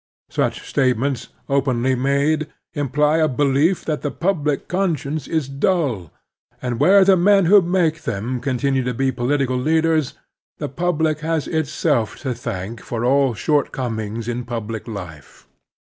Such statements, openly made, imply a belief that the public conscience is dull ; and where the men who make them continue to be political leaders, the public has itself to thank for all shortcomings in public life.